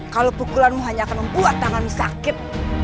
kalau pukulanmu hanya akan membuat tanganmu sakit